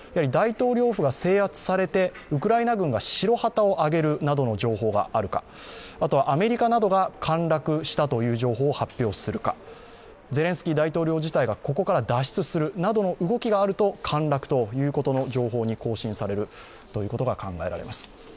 大統領府が制圧されて、ウクライナ軍が白旗を揚げるなどの情報があるか、あとは、アメリカなどが陥落したという情報を発表するか、ゼレンスキー大統領自体がここから脱出するなどの動きがあると陥落という情報に更新されることが考えられます。